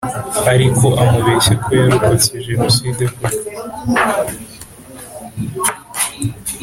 ariko amubeshya ko yarokotse Jenoside koko